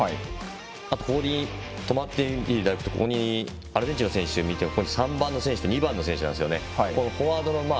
あと止まっているアルゼンチンの選手、見ていると３番の選手と２番の選手なんですよね。